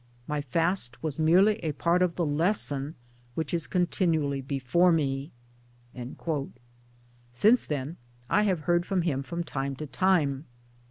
My fast was merely a part of the lesson which is continually before me." Since then I jhave heard from him from time to time.